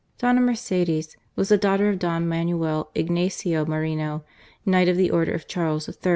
Doila Mercedes was the daughter of Don Manuel Ignatius Moreno, Knight of the Order of Charles in.